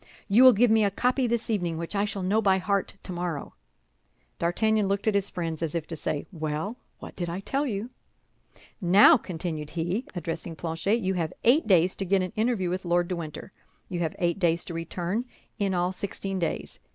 "You will give me a copy this evening, which I shall know by heart tomorrow." D'Artagnan looked at his friends, as if to say, "Well, what did I tell you?" "Now," continued he, addressing Planchet, "you have eight days to get an interview with Lord de Winter; you have eight days to return—in all sixteen days.